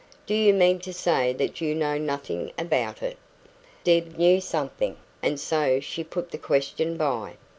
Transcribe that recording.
Do you mean to say that you know nothing about it?" Deb knew something, and so she put the question by.